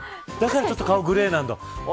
だからちょっと顔グレーなんだ。